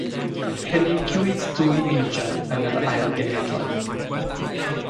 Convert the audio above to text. Cynigiwyd dwy injan yn yr ail genhedlaeth.